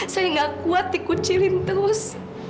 saya gak kuat dikucilin terus